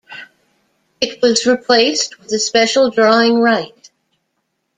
It was replaced with the special drawing right.